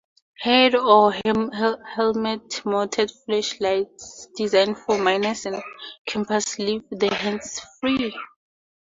Head or helmet-mounted flashlights designed for miners and campers leave the hands free.